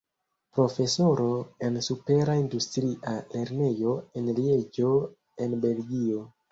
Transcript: Profesoro en Supera Industria Lernejo en Lieĝo en Belgio.